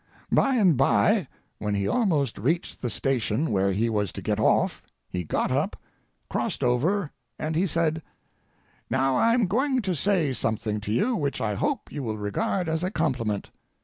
By and by, when he almost reached the station where he was to get off, he got up, crossed over, and he said: "Now I am going to say something to you which I hope you will regard as a compliment."